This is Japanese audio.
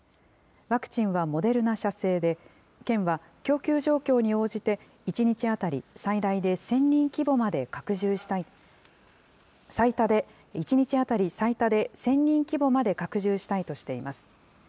ワクチンはモデルナ社製で、県は供給状況に応じて、１日当たり最大で１０００人規模まで１日当たり最多で１０００人規模で拡充したいとしています。